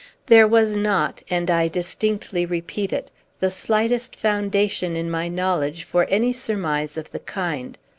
There was not and I distinctly repeat it the slightest foundation in my knowledge for any surmise of the kind.